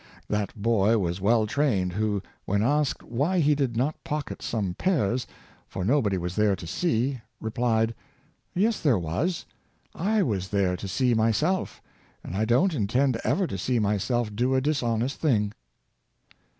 That boy was well trained who, when asked why he did not pocket some pears, for no body was there to see, replied, '^ Yes, there was: I was there to see myself; and I don't intend ever to see my self do a dishonest thing."